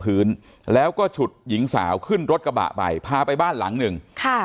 พื้นแล้วก็ฉุดหญิงสาวขึ้นรถกระบะไปพาไปบ้านหลังหนึ่งค่ะ